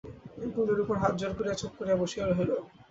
কোলের উপর হাত জোড় করিয়া চুপ করিয়া বসিয়া রহিল।